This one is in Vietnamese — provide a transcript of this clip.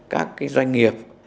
các doanh nghiệp